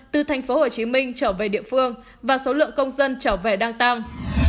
từ thành phố hồ chí minh trở về địa phương và số lượng công dân trở về đang tăng